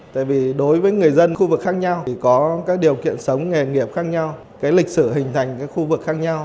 tại vì đối với người dân khu vực khác nhau thì có các điều kiện sống nghề nghiệp khác nhau cái lịch sử hình thành khu vực khác nhau